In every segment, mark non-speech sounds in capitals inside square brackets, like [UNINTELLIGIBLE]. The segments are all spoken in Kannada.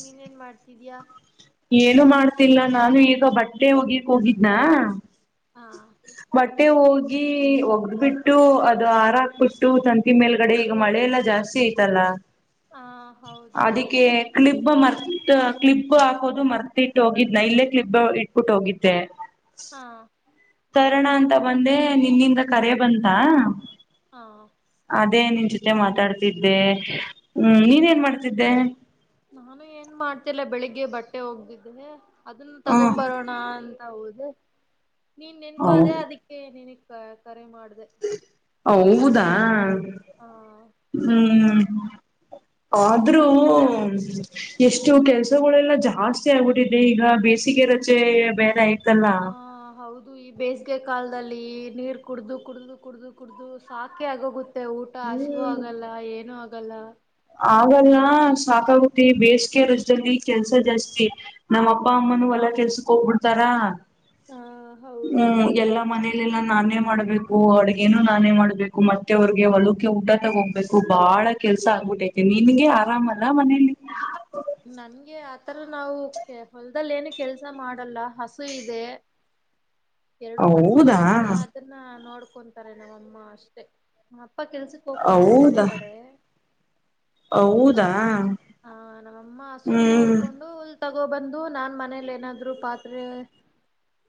ನೀನೇನ್ನ್ ಮಾಡ್ತಿದಯಾ ಏನು ಮಾಡ್ತಿಲ್ಲ ನಾನು ಈಗ ಬಟ್ಟೆ ಒಗಿಕ್ ಹೋಗಿದ್ನ ಹಾ ಬಟ್ಟೆ ಹೋಗಿ ಒಗ್ದ್ ಬಿಟ್ಟು ಅದು ಹಾರ ಹಾಕ್ಬಿಟ್ಟು ತಂತಿ ಮೇಲ್ಗಡೆ ಈಗ ಮಳೆಲ್ಲಾ ಜಾಸ್ತಿ ಲ್ಲ ಹಾ ಹೌದು ಕ್ಲಿಬ್ ಮರ್ ತ್ ಕ್ಲಿಬ್ ಹಾಕಿ ಹೋದು ಮರ್ತಿ ಇಟ್ಟ ಹೋಗಿದ್ ನೈ ಇಲ್ಲೇ ಕ್ಲಿಫ್ ಇಟ್ಬಿಟ್ಟ ಹೋಗಿದ್ದೆ ಹಾ ತರಣ ಅಂತ ಬಂದೆ ನಿಮ್ಮಿಂದ ಕರೆ ಬಂತಾ ಹಾ ಅದೇ ನಿನ್ ಜೊತೆ ಮಾತಾಡ್ತಿದ್ದೆ ಹ್ಮ್ ನೀನ್ ಏನ್ ಮಾಡ್ತಿದ್ದೆ ನಾನು ಏನ್ ಮಾಡ್ತಿಲ್ಲ ಬೆಳಿಗ್ಗೆ ಬಟ್ಟೆ ಒಗ್ದಿದ್ದೆ ಅದನ್ನ ತಗೊ ಬರೋಣ ಅಂತ ಹೌದ ನೀನ್ ಹ ನೆನಪಾ ಅದೆೇ ಅದಕ್ಕೆ ನಿನ ಕರೆ ಮಾಡ್ದ ಹೌದಾ ಹ ಹ್ಮ್ ಆದ್ರೂ ಇದು ಎಷ್ಟು ಕೆಲ್ಸಗಳೆಲ್ಲ ಜಾಸ್ತಿ ಆಗ್ಬಿಟ್ಟಿದೆ ಈಗ ಬೇಸಿಗೆ ರಜೆ ಬೇರೆ ಆಯ್ತಲ್ಲ ಹಾ ಹೌದು ಈ ಬೇಸಿಗೆ ಕಾಲದಲ್ಲಿ ನೀರ್ ಕುಡ್ದು ಕುಡ್ದು ಕುಡ್ದು ಕುಡಿದು ಸಾಕೆ ಆಗೋಗುತ್ತೆ ಮತ್ತೆ ಊಟ ಹಸಿವು ಆಗಲ್ಲ ಏನು ಆಗಲ್ಲ ಆಗಲ್ಲಾ ಸಾಕಾಗುತ್ತೆ ಬೇಸಿಗೆ ರಜದಲ್ಲಿ ಕೆಲ್ಸ ಜಾಸ್ತಿ ನಮ್ಮ್ ಅಪ್ಪ ಅಮ್ಮನುೂ ಹೋಲ್ಲಾ ಕೆಲ್ಸಕ್ ಹೋಗ್ಬಿಡ್ತಾರ ಹ ಹೌದು ಹ್ಮ್ ಎಲ್ಲಾ ಮನೆ ಲ್ಲ ನಾನೇ ಮಾಡ್ಬೇಕು ಅಡ್ಗೇನು ನಾನೇ ಮಾಡ್ಬೇಕು ಮತ್ತೆ ಅವ್ರಿಗೆ ಹೊಲಕೆ ಊಟ ತಗೋಗ್ಬೇಕು ಬಹಳ ಕೆಲ್ಸ ಆಗ್ಬಿಟ್ಟತಿನಿ ನಿನ್ಗೆ ಆರಾಮಲ್ಲಾ ಮನೇಲಿ ನಂಗೆ ಆತರ ನಾವು ಕೆ ಹೊಲದದಲ್ಲಿ ಏನು ಕೆಲ್ಸ ಮಾಡಲ್ಲ ಹಸು ಇದೆ ಹೌದಾ ನ್ನ ನೋಡ್ಕೊಂತಾರೆ ನಮ್ಮಮ್ಮ ಅಷ್ಟೇ ನಮ್ಮ ಅಪ್ಪ ಕೆಲ್ಸಕ್ ಹೋಗ್ತಾರೆ ಬೇರೆ ಹೌದಾ ಕಡೆ ಹೌದಾ ಹಾ ನಮ್ಮಮ್ಮ ಹಸುನ್ ಹ್ಮ್ ನೋಡ್ಕೊಂಡು ಹುಲತಗೋಬಂದು ನಾನ್ ಮನೇಲಿ ಏನಾದ್ರು ಪಾತ್ರೆ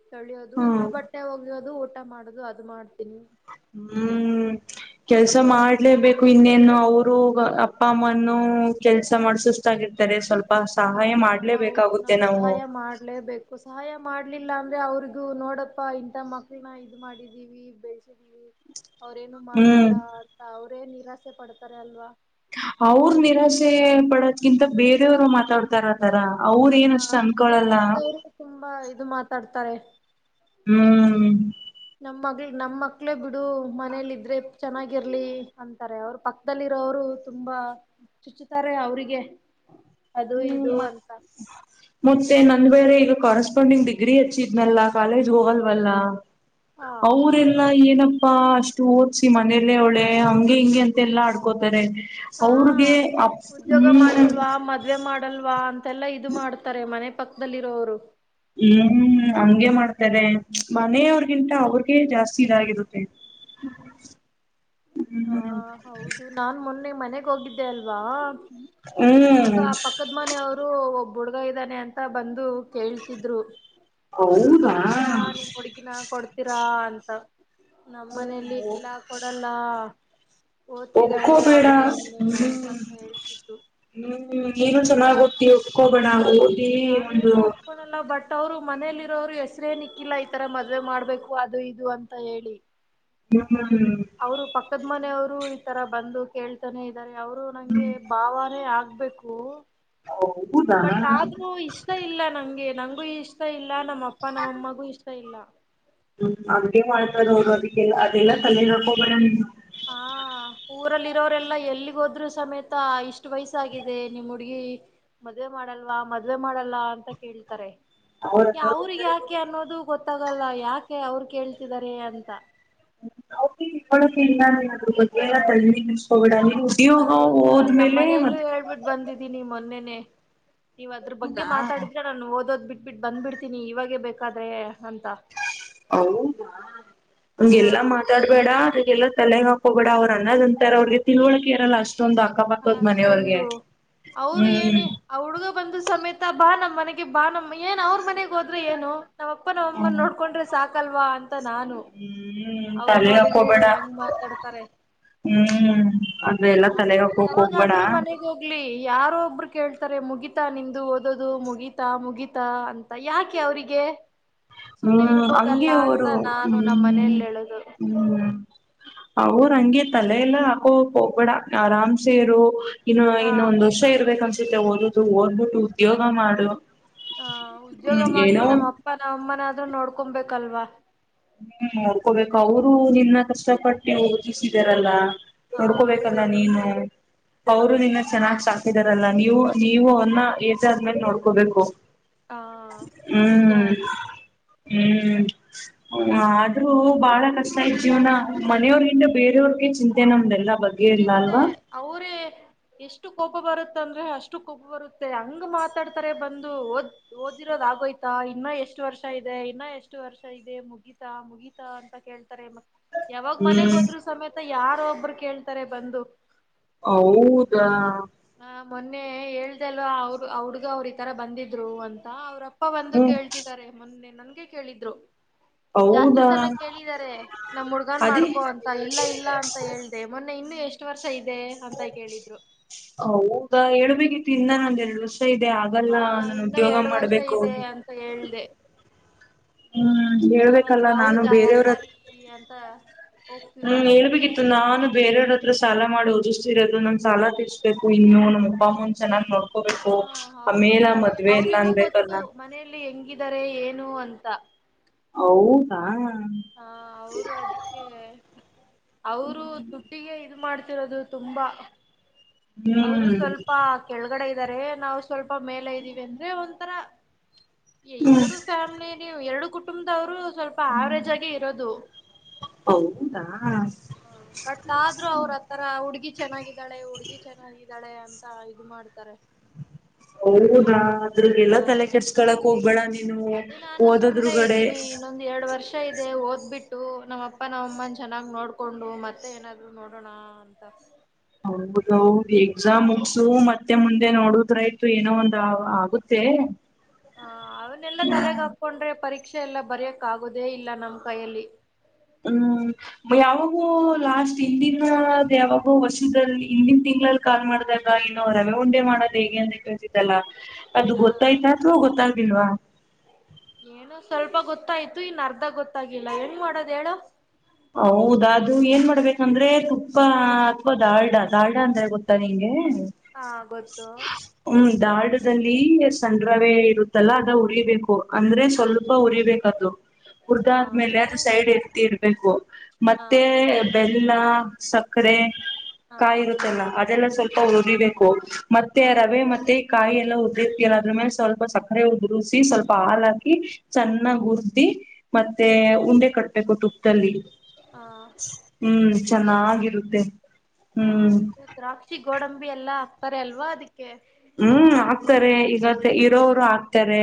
ತೋಳಿಯೋದು ಇಲ್ಲ ಹ್ಮ್ ಬಟ್ಟೆ ಒಗೆಯೋದು ಊಟ ಮಾಡೋದು ಅದು ಮಾಡ್ತೀನಿ ಹ್ಮ್ ಕೆಲ್ಸ ಮಾಡ್ಲೇಬೇಕು ಇನ್ನೇನು ಅವರು ಅಪ್ಪ ಅಮ್ಮನು ಕೆಲ್ಸ ಮಾಡಸ [UNINTELLIGIBLE] ಸ್ವಲ್ಪ ಹ ಸಹಾಯ ಹೌದು ಮಾಡ್ಲೇಬೇಕಾಗುತ್ತೆ ನಾವು ಸಹಾಯ ಮಾಡ್ಲೇಬೇಕು ಸಹಾಯ ಮಾಡ್ಲಿಲ್ಲ ಅಂದ್ರೆ ಅವ್ರಿಗು ನೋಡಪ್ಪಾ ಇಂತ ಮಕ್ಳನ ಇದು ಮಾಡಿದೀವಿ ಬೆಳಸಿದ್ವಿ ಅವ್ರೇನು ಹ್ಮ್ ಮಾಡ್ತಿಲ್ಲ ಅಂತ ಅವ್ರೇ ನಿರಾಸೆ ಪಡ್ತಾರೆ ಅಲ್ವಾ ಅವ್ರ ನಿರಾಶೆ ಪಡೋದಕಿಂತ ಬೇರೆಯವರು ಮಾತಾಡ್ತ ತರ ತರ ಅವ್ರ ಹ ಏನ ಅಷ್ಟು ಮನೆ ಅನ್ಕೊಳಲ್ಲ ಪಕ್ಕದವ್ರು ತುಂಬಾ ಇದು ಮಾತಾಡ್ತಾರೆ ಹ್ಮ್ ನಮ್ಮ್ ಮ ನಮ್ಮ ಮಕ್ಳೇ ಬಿಡು ಮನೇಲಿ ಇದ್ರೆ ಚೆನ್ನಾಗಿರ್ಲಿ ಅಂತಾರೆ ಅವ್ರ ಪಕ್ಕ ಪಕ್ಕದಲ್ಲಿರೋವರು ತುಂಬಾ ಚುಚ್ಚುತ್ತಾರೆ ಅವರಿಗೆ ಹ್ಮ್ ಮತ್ತ ಮತ್ತೆ ನಂದ್ ವೇಳೆ ಈಗ ಕಸ್ಪಾಂಡಿಂಗ್ ಡಿಗ್ರಿ ಹಚ್ಚಿದ್ನಲ್ಲ ಕಾಲೇಜ್ ಹೋಗಲ್ವಲ್ಲ ಹಾ ಅವರೆಲ್ಲ ಏನಪ್ಪ ಅಪ್ಪಾ ಅಷ್ಟು ಓದ್ಸಿ ಮನೇಲೆ ಅವಳೇ ಹಂಗೆ ಹಿಂಗೆ ಅಂತೆಲ್ಲಾ ಆಡ್ಕೋತಾರೆ. ಹಾ ಅವ್ರಿಗೆ ಅ ಉದ್ಯೋಗ ಹ್ಮ ಮಾಡಲ್ವಾ ಮದ್ವೆ ಮಾಡಲ್ವಾ ಅಂತೆಲ್ಲಾ ಇದು ಮಾಡ್ತಾರೆ ಮನೆ ಪಕ್ಕದಲ್ಲಿರೋರು ಹ್ಮ್ ಹ್ಮ ಅಂಗೆ ಮಾಡ್ತಾರೆ ಮನೆಯವರ್ಗಿಂತ ಅವ್ರಿಗೆ ಜಾಸ್ತಿ ಇದಾಗಿರುತ್ತೆ [UNINTELLIGIBLE] ಹಾ ಹ್ಮ್ ಹೌದು ನಾನ್ ಮೊನ್ನೆ ಮನೆಗೆ ಹೋಗಿದ್ದೆ ಅಲ್ವಾ ಅವಾಗ ಹ್ಮ್ ಆ ಪಕ್ಕದ್. ಮನೆಯವರು ಒಬ್ ಹುಡುಗಾ ಇದನೆ ಅಂತ ಬಂದು ಕೇಳ್ತಿದ್ರು ಹೌದಾ ಕೊಡ್ತೀರಾ ನಿಮ್ ಹುಡುಗಿನ ಕೊಡ್ತೀರಾ ಅಂತ ನಮನೇಲಿ ಇಲ್ಲಾ ಕೊಡಲ್ಲ ಓದ್ತಿದ್ದಾಳೆ ಒಬ್ಬರು ಆ ಬಿಡಲ್ಲ ಹುಡುಗಿ ಇನ್ನೂ ಹ್ಮ್ಮ್ ಅಂತ ಹೇಳ್ತಿದ್ರು ಹ್ಮ್ ನೀನು ಚೆನ್ನಾಗ ಓದತಿಯ ಒಪ್ಕೋಬೇಡ ಒದ ನಾನೇನು ಇಕೋನಲ್ಲ ಬಟ್ ಅವ್ರು ಮನೇಲಿ ಇರೋರು ಹೆಸ್ರೇನಿಕ್ಕಿಲ್ಲ ಈ ತರ ಮದ್ವೆ ಮಾಡ್ಬೇಕು ಅದು ಇದು ಅಂತ ಹೇಳಿ [INAUDIBLE] ಹ್ಮ ಹ್ಮ ಹ್ಮ್ ಅವರು ಪಕ್ಕದ ಮನೆಯವರು ಈ ತರ ಬಂದು ಕೇಳ್ತಾನೇ ಇದರೆ ಅವರು ನಂಗೆ ಬಾವಾನೇ ಆಗ್ಬೇಕು ಹೌದ ಬಟ್ ಆದ್ರೂ ಇಷ್ಟ ಇಲ್ಲ ನಂಗೆ ನಂಗೂ ಇಷ್ಟ ಇಲ್ಲ ನಮ್ಮ ಅಪ್ಪ ನಮ್ಮಮ್ಮಗೂ ಇಷ್ಟ ಇಲ್ಲ ಹ್ಮ್ ಅಂಗಗೆ ಮಾಡ್ತದ ಅವರು ಅದಕ್ಕೆಲ್ಲ ಅದೆಲ್ಲಾ ತಲೆ ಹಾಕೊಬರ ಹಾ ಊರಲ್ಲಿ ಇರೋರೆಲ್ಲಾ ಎಲ್ಲಿಗ್ ಹೋದ್ರೂ ಸಮೇತ ಇಷ್ಟು ವಯಸ್ಸಾಗಿದೆ ನಿಮ್ ಹುಡ್ಗಿ ಮದ್ವೆ ಮಾಡಲ್ವಾ ಮದ್ವೆ ಮಾಡಲ್ಲ ಅಂತ ಕೇಳ್ತಾರೆ. ಅವ್ರಿಗೆ ಯಾಕೆ ಅನ್ನೋದು ಗೊತ್ತಾಗಲ್ಲ ಯಾಕೆ ಅವರು ಕೇಳ್ತಿದಿದ್ದಾರೆ ಅಂತ- ತಿಕೊಳ್ಳಳಕ ಇಲ್ಲದ್ರ ಬಗ್ಗೆ ಎಲ್ಲ ತ ಹ್ಮ್ ನಾನೇನು ನಮ್ಮ ಮನೆಯಲ್ಲೂ ಮತ್ ಹೇಳ್ಬಿಟ್ಟು ಬಂದಿದ್ದ ಿ ಮೊನ್ನೆನೆ ನೀವು ಅದ್ರ ಬಗ್ಗೆ ಹೌದಾ ಮಾತಾಡಿದ್ರೆ ನಾನು ಓದೋದ್ ಬಿಟ್ಟು ಬಿಟ್ಟ ಬಂದ್ಬಿಡ್ತೀನಿ ಇವಾಗೇ ಬೇಕಾದ್ರೆ ಅಂತ ಹದಾ ಹಾ ನಗೆಲ್ಲಾ ಮಾತಾಡಿ- ಬೇಡ ಅದಲ್ಲ ತಲೆ ಹಾಕ ಹೋಗೇಡ ಅವರು ಅನ್ನದಂತರ ಅವ್ರಿಗೆ ತಿಳಕೆರಲ್ಲ ಅಷ್ಟೊಂದಂದು ಆ ಅಕ್ಕ ಬತದ್ ಮನೆಯವ್ರಿಗೆ ಅಷ್ಟೊಂದು ಅವರು ಹ್ಮ್ ಏನೇ ಆ ಹುಡ್ಗ ಬಂದು ಸಮೇತ ಬಾ ನಮ್ಮ್ ಮನೆಗೆ ಬಾ ನ ಏನ್ ಅವ್ರ ಮನೆಗ್ ಹೋದ್ರೆ ಏನು ನಾವಪ್ಪ ನಮ್ಮ ನೋಡ್ಕೊಂಡ್ರೆ ಸಾಕಲ್ವಾ ಅಂತ ನ ನಾನು ಹ್ಮ್ ಅವರು ತಲೆ ನೋಡಿದ್ರೆ ಹಾಕೋಬೇಡ ಹೆಂಗ ಮಾತಾಡ್ತಾರೆ ಹ್ಮ್ ಅದಲ್ಲಾ ತಲೆ ಹಾಕಕ್ ಹೋಗ್ಬೇಣ ಯಾವಾಗಾದ್ರೂ ಮನೆಗ್ ಹೋಗ್ಲಿ ಯಾರೋ ಒಬ್ರು ಕೇಳ್ತಾರೆ ಮುಗಿತಾ ನಿಂದು ಓದೋದು ಮುಗಿತಾ ಮುಗಿತಾ ಅಂತ ಯಾಕೆ ಅವರಿಗೆ ಸುಮ್ನೆ ಹ್ಮ್ ಇರ್ಬೋದಲ್ಲ ಹಂಗೆ ಅಂತ ಅವರು ನಾನು ಹ್ಮ್ ನಮ್ಮನೆಲ್ಲಿ ಹೇಳೋದು ಹ್ಮ್ ಅವರು ಹಂಗೆ ತಲೆ ಎಲ್ಲ ಹಾಕೋಕ್ ಹೋಗ್ಬೇಡ ಆರಾಮ್ಸೇರು- ಇನ್ನು ಹಾ ಇನ್ನೊಂದ್ ವರ್ಷ ಇರ್ಬೇಕ ಅನ್ಸುತ್ತೆ ಓದದು ಓದ್ಬಿಟ್ಟು ಉದ್ಯೋಗ ಮಾಡು ಹ ಉದ್ಯೋಗ ಹ್ಮ್ ಮಾಡಿ ಏನೋ ನಮ್ಮ್ ಅಪ್ಪ ನಾವ ಅಮ್ಮನ ಆದ್ರೂ ನೋಡ್ಕೊಬೇಕಲ್ವಾ- ಹ್ಮ್ ನೋಡ್ಕೋಬೇಕು ಅವರು ನಿನ್ನ ಕಷ್ಟಪಟ್ಟು ಓದಿಸಿದಾರಲ್ಲ. ಹಾ ನೋಡ್ಕೋಬೇಕಲ್ಲ ಹೌ ನೀನು. ಅವರು ನಿನ್ನ ಚೆನ್ನಾಗ್ ಸಾಕಿದಾರಲ್ಲ ನೀವು ನೀವು ಅವ್ರನ್ನ ಏಸಾದ್ಮೇಲೆ ನೋಡ್ಕೋಬೇಕು ಹಾ ನಿಜ ಹ್ಮ್ ಅದು ಹ್ಮ್ ಹ ಆದ್ರೂ ಬಹಳ ಕಷ್ಟ ಯ್ ಜೀವನ ಮನೆಯವ್ರ ಹಿಂದ ಬೇರೆಯವ್ರಿಗೆ ಚಿಂತೆೆ ನಮ್ದೆಲ್ಲ ಬರ್ು ಚಿಂತೆ ಅವರೇ ಎಷ್ಟು ಕೋಪ ಬರುತ್ತ ಅಂದ್ರೆ ಅಷ್ಟು ಕೋಪ ಬರುತ್ತೆ ಹಂಗ ಮಾತಾಡ್ತಾರೆ ಬಂದು ಓದ ಓದಿರೋದ ಆೋಯ್ತಾ ಇನ್ನ ಎಷ್ಟು ವರ್ಷ ಇದೆ ಇನ್ನ ಎಷ್ಟು ವರ್ಷ ಇದೆ ಮುಗ ಮುಗಿತಾ ಮುಗಿತಾ ಅಂತ ಕೇಳ್ತಾರೆ ಮತ್ೆ ಯಾವಾಗ ಮನೆಗ್ ಹ್ಮ್ ಹೋದ್ರೂ ಸಮೇತ ಯಾರ ಒಬ್ರು ಕೇಳ್ತಾರೆ ಬಂದು ಹೌದಾ ಹ ಮೊನ್ನೆ ಹೇಳ್ದಲ್ ಅವರು ಅವಡ್ಗ ಅವ್ರ ಈತರ ಬಂದಿದ್ರು ಅಂತ ಅವ್ರ ಅಪ್ಪ ಬಂದು ಹ್ಮ್ ಕೇಳ್ತಿದ್ದಾರೆ ಮೊನ್ನೆ ನನ್ಗೆ ಕೇಳಿದ್ರು ಜಾಸ್ತಿ ಹೌದಾ ಸಲ ಕೇಳಿದಿದ್ದಾರೆ ನಮ್ಮ್ ಹುಡ್ಗನ್ ಅದೇ ಮಾಡ್ಕೊ ಅಂತ ಇಲ್ಲ ಇಲ್ಲ ಅಂತ ಹೇಳ್ದ ಅೇ ಮೊನ್ನೆ ಇನ್ನು ಎಷ್ಟು ವರ್ಷ ಇದೆ ಅಂತ ಕೇಳಿದ್ರು ಹೌದಾ ಹೇಳ್ಬೇಕಿತ್ತು ಇನ್ನಾನ ಒಂದ ಎರಡು ಇಷ್ಟ ಇದೆ ಹಾ ಆಗಲ್ಲ ನನ್ ಇನ್ನ ಉದ್ಯೋಗ ಎರಡು ವರ್ಷ ಮಾಡ್ಬೇಕು ಇದೆ ಹೇಳ್ದೆ ಹ್ಮ್ ಅವವಾಗ ಹೇಳ್ಬೇಕಲ್ಲ ನಾನು ಹೌದಾ ಬೇರೆಯವ್ರ ಸರಿ ಅಂತ ಹ್ಮ್ ಹೋಗ್ತಿದ್ದಾರೆ ಹೇಳ್ಬೇಕಿತ್ತು ನಾನು ಬೇರವ್ರ ಹತ್ರ ಸಾಲ ಮಾಡಿ ಓದಿಸ್ ಇರೋದು ನನ್ನ ಸಾಲ ತಿರ್ಬೇಕು ಇನ್ನು ನಮ್ಮ ಅಪ್ಪಮ್ಮಂದ ಚನ್ನಾಗ್ೋ- ಹಕೋಬೇಕು ಹಾ ಆಮೇಲ ಹೌದು ಮದ್ವೆ ಎಲ್ಲ ಅನ್ಬೇಕಲ್ಲ ಹೆಂಗಿದರೆ ಏನು ಅಂತ- ಹೌದಾ ಹಾ ಅವರು ಅದಿ ಅವರು ದುಡ್ಡಿಗೆ ಇದ ಮಾಡ್ತಿರೋದು ತುಂಬಾ ಅವರು ಹ್ಮ್ ಸ್ವಲ್ಪ ಕೆಳಗಡೆ ಇದ್ದಾರೆ ನಾವು ಸ್ವಲ್ಪ ಮೇಲೆ ಇದ್ದೀವಿ ಅಂದ್ರೆ ಒಂಥರ- ಹ್ಮ್ ಎರಡು ಫ್ಯಾಮ್ಲಿ ಎರಡು ಕುಟುಂಬದವರು ಸ್ವಲ್ಪ ಆವರೇಜ್ ಆಗಿ ಇರೋದು ಹೌದಾ ಬಟ್ ಆದ್ರೂ ಅವ್ರ. ಆ ತರ ಹುಡ್ಗಿ ಚೆನ್ನಾಗಿದ್ದಾಳೆ ಹುಡ್ಗಿ ಚೆನ್ನಾಗಿದ್ದಾಳೆ ಅಂತ ಇ ಮಾಡ್ತಾರೆ- ಹೌದಾ ಅದ್ರ ಹ ಎಲ್ಲ ತಲೆ ಕೆಡ್ಸ್ಕಳಕ್ ಹೋಗ್ಬೇಡ ನೀನು ಓದದ್ರುಗಡೆ. ಒಂದ್ ಎರಡ್ ವರ್ಷ ಇದೆ ಓದ್ಬ ಬಿಟ್ಟು ನಮ್ಮ ಅಪ್ಪ ನಾವ ಅಮ್ಮನ ಚೆನ್ನಾಗ್ ನೋಡ್ಕೊಂಡು ಮತ್ತೆ ಏನಾದ್ರು ನೋಡೋಣ ಹಂತ ಹೌದೌದು ಎಕ್ಸಾಮ್ ಮುಗ್ಸು ಮತ್ತೆ ಮುಂದೆ ನೋಡುದ್ರಾಯ್ತು ಏನೋ ಒಂದ ಆಗುತ್ತೆ ಹ ಅವನೆಲ್ಲಾ ತಲೆಗ ಹ್ಮ್ ಹಾಕೊಂಡ್ರೆ ಪರೀಕ್ಷೆ ಎಲ್ಲಾ ಬರ್ಯಕ್ ಆಗೋುದೇ ಇಲ್ಲ ನಮ್ ಕೈಯಲ್ಲಿ ಹ ಯಾವಾಗೂ ಲಾಸ್ಟ್ ಹಿಂದಿನದ ಯಾವಾಗೂ ವಸಲ್ಲಿ ಹಿಂದಿನ ತಿಂಳಲ್ಲಿ ಕಾಲ್ ಮಾಡ್ದ. ಇನ್ನು ರವೆ ಉಂಡೆ ಮಾಡೋದ್ ಹೇಗೆ ಅಂದ ಕೇತಿದ್ದಲ್ಲ ಅದು ಹ ಗೊತ್ತಾಯ್ತಾ ಅಥವಾ ಗೊತ್ತಾಗ್ದಲ್ವಾ- ಏನು ಸ್ವಲ್ಪ ಗೊತ್ತಾಯ್ತು ಇನ್ನು ಅರ್ಧ ಗೊತ್ತಾಗಿಿಲ್ಲ ಏನ್ ಮಾಡೋದ ಹೇಳು- ಹೌದ ಅದು ಏನ್ ಮಾಡ್ಬೇಕಂದ್ರೆ ತುಪ್ಪ ಅಥವಾ ದಾಲ್ಡಾ ದಾಡಾ ಅಂದ್ರೆ ಗೊತ್ತಾ ನಿಂಗೆ- ಹಾ ಗೊತ್ತು ಹ್ಮ್ ದಾಡದಲ್ಲಿ ಸಂಡ್ರವೆ ಇರುತ್ತಲ್ಲ ಅದ ಉರಿಬೇಕು ಅಂದ್ರೆ ಸ್ವಲ್ಪ ಉರಿಬೇಕು ಉರ್ದ ಹ ಆದ್ಮೇಲೆ ಅದು ಮತ್ತೆ ಸೈಡ್ ಎತಿ ಇರ್ಬೇಕು ಹ ಮತ್ತೆ- ಬೆಲ್ಲ ಸಕ್ಕರೆ ಹ ಕಾಯಿ ಇರುತ್ತೆಲ್ಲ ಅದೆಲ್ಲ ಸ್ವಲ್ಪ ಉರುದಿಬೇಕು ಮತ್ತೆ ರವೆ ಹ ಮತ್ತೆ ಕಾಯಿ ಎಲ್ಲ ಉದ್ರತೀರ ಅದ್ರ್ಮೇಲೆ ಸ್ವಲ್ಪ ಸಕ್ಕರೆ ಉದು್ರಸಿ ಸ್ವಲ್ಪ ಹಾ ಹಾಕಿ ಚೆನ್ನಾಗ್ ಹುರ್್ದಿ ಮತ್ತೆ ಉಂಡೆ ಕಟ್ಬೇಕು ತಟುಪ್ಪಲ್ಲಿ ಹಾ ಹ್ಮ್ ಚೆನ್ನಾಗಿರುತ್ತೆ ಹ ಹ್ಮ್ ದ್ರಾಕ್ಷಿ ಗೋಡಂಬಿ ಎಲ್ಲಾ ಅಪ್ಪರ ಅಲ್ವಾ ಅದಿಕ್ಕೆ ಹ್ಮ್ ಆಕ್ತಾರೆ ಈಗ ಇರೋರು ಆಕ್ತಾರೆ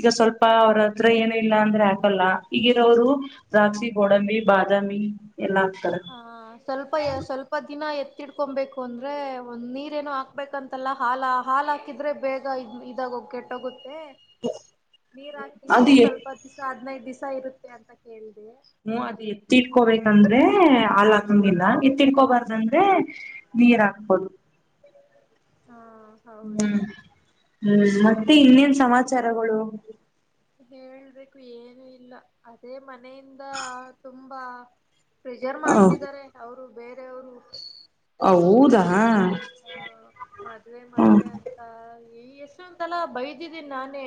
ಈಗ ಸ್ವಲ್ಪ ಅವರ ಹತ್ರ ಏನು ಇಲ್ಲ ಅಂದ್ರೆ ಹಾಕಲ್ಲ ಈಗಿರೋರು ದ್ರಾಕ್ಷಿ ಗೋಡಂಬಿ ಬಾದಾಮಿ ಎಲ್ಲ ಹಾ ಸ್ವಲ್ಪ ಸ್ವಲ್ಪ ಸ್ಪ್ಪ ದಿನ ಎತ್ತಿಡ್ಕೊಬೇಕು ಅಂದ್ರೆ ಒಂದು ನೀರೇನೋ ಹಾಕ್ಬೇಕಂತಲ್ಲ ಹಾಲ ಹಾಲಾ ಇದ್ರೆ ಬೇಗ ಇದಾಗ ಕೆಟ್ಟೋಗುತ್ತೆ ನೀರ್ ಹಾಕಿದ್ರೆ ಸ್ವಲ್ಪ ದಿವಸ ಹದ್ನೈದ ದಿವಸ ಇರುತ್ತೆ ಅಂತ ಕೇಳಿದೆ ಹ್ಮ ಅದ ಎತ್ತಿಟ್ಕೋಬೇಕಂದ್ರೆ ಹಲ್ಲ ತುಂಬಿಲ್ಲ ಎತ್ತಿಟ್ಕೋಬಾರ್ದಂದ್ರೆ ನೀರ್ ಹಾಕಬಹುದು ಹಾ ಹೌದು ಹ್ಮ್ ಹ್ಮ್ ಮತ್ತೆ ಇನ್ನೇನ್ ಸಮಾಚಾರಗಳು ಹೇಳೇಬೇಕು ಏನು ಇಲ್ಲ ಅದೇ ಮನೆಯಿಂದ ತುಂಬಾ ಪ್ರಿಜರ್ ಹ ಮಾಡ್ತಿದ್ದಾರೆ ಅವ್ರು ಬೇರೆಯವರು ಹೌದಾ ಹಾ ಮದ್ವೆ ಹ್ಮ ಮದ್ವೆ ಅಂತ ಈ ಎಷ್ಟು ಅಂತಲ್ಲ ಬೈದಿದ್ದೀನಿ ನಾನೇ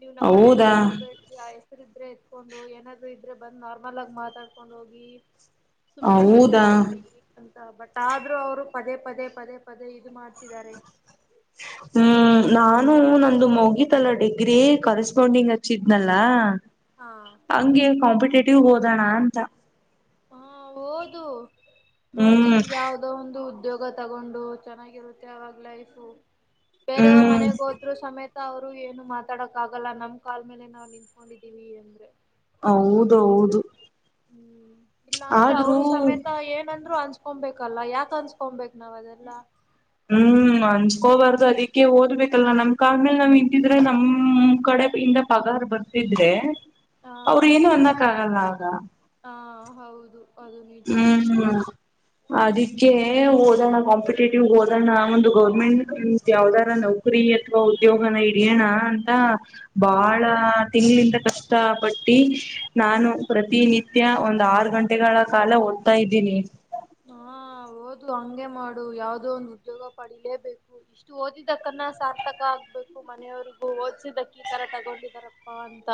ನೀವ್ ನಮ್ಮ್ ಮನೆ ಹೌದಾ ಹತ್ರ ಬರಬೇಡಿ ಈ ಹೆಸರು ಇದ್ರೆ ಎತ್ಕೊಂಡು ಏನಾದ್ರು ಇದ್ರೆ ಬಂದ್ ನಾರ್ಮಲ್ ಆಗಿ ಮಾತಾಡ್ಕೊಂಡ್ ಹೋಗಿ ಸುಮ್ನೆ ಬಂದ್ ಹೌದಾ ಮಾತಾಡಿದ ಅಂತ ಬಟ್ ಆದ್ರೂ ಅವರು ಪದೇ ಪದೇ ಪದೇ ಪದೇ ಇದು ಮಾಡ್ತಿದ್ದಾರೆ ಹ್ಮ್ ನಾನು ನಂದು ಮೌಗಿ ತಲ್ಲ ಡಿಗ್ರಿ ಕರೆಸ್ಪಾಂಡಿಂಗ್ ಹಚ್ಚಿದ್ನಲ್ಲ ಹಾ ಹಂಗೆ ಕಾಂಪಿಟೇಟಿವ್ ಹೋದೋಣ ಅಂತ ಹಾ ಓದು ಓದಿ ಹ್ಮ್ ಯಾವ್ದ ಯದೋ ಒಂದು ಉದ್ಯೋಗ ತಗೊಂಡು ಚೆನ್ನಾಗಿರುತ್ತೆ ಆಾಗ ಲೈಫು ಬೇರೆಯವ್ರ ಹ್ಮ್ ಮನೆಗ್ ಹೋದ್ರು ಸಮೇತ ಅವ್ರು ಏನು ಮಾತಾಡಕ್ ಆಗಲ್ಲ ನಮ್ ಕಾಲ್ ಮೇಲೆ ನಾವವು ನಿಂತ್ಕೊಂಡಿದೀವಿ ಅಂದ್ರೆ ಹೌದೌದು ಹ್ಮ್ ಇಲ್ಲ ಅಂದ್ರೆ ಅವ್ರು ಸಮೇತ ಏನಂದ್ರು ಅನ್ ಹಕೊಂಬಬೇಕಲ್ಲಾ ಯಾಕ ಅಸ್ಕೊಂಬೇಕ್ ನಾವ್ ಅದೆಲ್ಲ ಹ್ಮ್ ಅನ್ಚ್ಕೋಬಾರ್ದು ಅದಕ್ಕೆ ಓದಬೇಕಲ್ಲ ನಮ್ ಕಾ್ಮೇಲೆ ನಾವ್ ಇಂತಿದ್ರೆ ನಮ್ ಕಡೆ ಇಿಂದ ಪಗಾರ್ ಬರ್ ಇದ್ರೆ ಹಾ ಅವ್ರ ಏನು ಅನ್ನಕ್ಕ ಆಗಲ್ಲ ಆಗ ಹಾ ಹೌದು ಅದು ನಿಜ ಹ್ಮ್ ಅದಕ್ಕೆ ಓದೋಣ ಕಾಂಪಿಟೇಟಿವ್ ಓದೋಣ ಒಂದು ಗೌರ್ಮೆಂಟ್ ಯಾವ್ದಾರ ನೋ ನಕ್ರರಿ ಅಥವಾ ಉದ್ಯೋಗನ ಹಡಿಯಣ ಅಂತ ಹಾ ಬಾಳ ತಿಂಗಳಿಂದ ಕಷ್ಟ ಪಟ್ಟಿ ನಾನು ಪ್ರತಿನಿತ್ಯ ಒಂದ್ ಆರು ಗಂಟೆಗಳ ಕಾಲ ಓದ್ತಾ ಇದ್ದೀನಿ ಹಾ ಹಓದ್ಲು ಹಂಗೆ ಮಾಡು ಯಾವ್ದೋ ಒಂದು ಉದ್ಯೋಗ ಪಡಿಲೇಬೇಕು ಇಷ್ಟು ಓದಿದಕ್ಕನ್ನ ಸಾರ್ಥಕ ಆಗ್ಬೇಕು ಮನೆಯವ್ರಗು ಓದ್ದಕ್ಕೆ ಈ ತರ ತಗೊಂಡಿದಾರಪ್ಪಾ ಅಂತ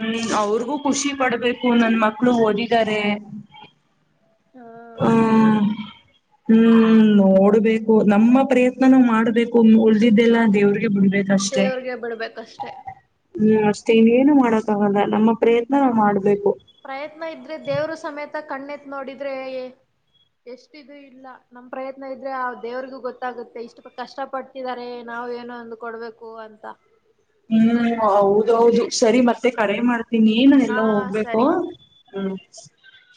ಹ್ಮ್ ಅವ್ರಿಗೂ ಖುಷಿ ಪಡ್ಬೇಕು ನನ್ ಮಕ್ಳು ಓದಿದಿದ್ದಾರೆ ಹಾ ಹೌದು ಹ್ಮ ಹ್ಮ್ ನೋಡ್ಬೇಕು ನಮ್ಮ ಪ್ರಯತ್ನೂ ಮಾಡ್ಬೇಕು ಉಳಿದಿದ್ದೆಲ್ಲ ದೇವ್ರಿಗೆ ಬಿಡ್ಬೇಕು ದೇವ್ರಿಗೆ ಬಿಡ್ಬೇಕಷ್ಟೇ ಹ್ಮ್ ಅಷ್ಟೇ ಇನ್ನೇನು ಮಾಡಕ್ಕಾಗಲ್ಲ ನಮ್ಮ ಪ್ರಯತ್ನ ನಾವ ಹ್ಮ್ ಮಾಡ್ಬೇಕು ಪ್ರಯತ್ನ ಇದ್ರೆ ದೇವ್ರು ಸಮೇತ ಕಣ್ಣೆತ್ ನೋಡಿದ್ರೆ ಎಷ್ಟ ಇದು ಇಲ್ಲ ನಮ್ ಪ್ರಯತ್ನ ಇದ್ರೆ ದೇವ್ರಿಗೂ ಗೊತ್ತಾಗುತ್ತೆ ಇಷ್ಟು ಕಷ್ಟಪಟ್ಟ ಇದಾರೆ ನಾವು ಏನ ಒಂದು ಕೊಡ್ಬೇಕು ಅಂತಾ ಹ್ಮ್ ಹೌದೌದು ಸರಿ ಮತ್ತೆ ಕಡೆ ಮಾಡ್ತೀನಿ ಏನ ಎಲ್ಲ ಹಾ ಹೋಗ್ಬೇಕು ಸರಿ. ಹ್ಮ್